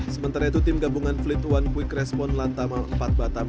sementara itu tim gabungan fleet one quick response lantamal empat batam